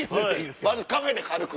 まずカフェで軽く。